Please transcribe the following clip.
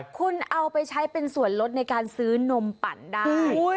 คุณเอาไปใช้เป็นส่วนลดในการซื้อนมปั่นได้